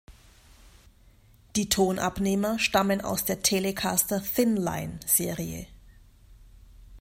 Die Tonabnehmer stammen aus der Telecaster-"Thinline"-Serie.